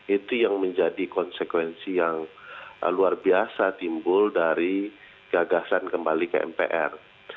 itu yang menjadi konsekuensi yang luar biasa timbul dari gagasan kembali ke mpr